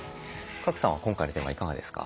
賀来さんは今回のテーマいかがですか？